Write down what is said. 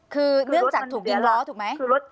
คือเนื่องจากถูกยิงล้อถูกไหม